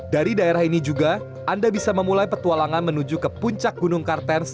dari daerah ini juga anda bisa memulai petualangan menuju ke puncak gunung kartens